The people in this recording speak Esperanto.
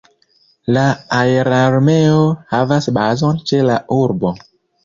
La Aerarmeo havas bazon ĉe la urbo.